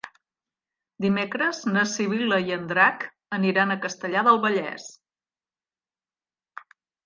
Dimecres na Sibil·la i en Drac aniran a Castellar del Vallès.